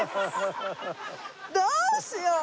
どうしよう。